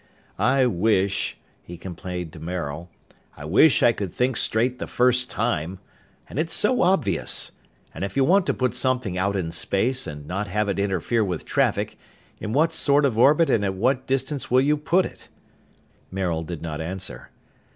"I wish," he complained to Maril, "I wish I could think straight the first time! And it's so obvious! If you want to put something out in space, and not have it interfere with traffic, in what sort of orbit and at what distance will you put it?" Maril did not answer.